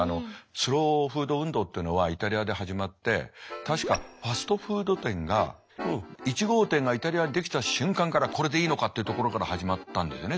スローフード運動っていうのはイタリアで始まって確かファストフード店が１号店がイタリアに出来た瞬間からこれでいいのかっていうところから始まったんですよね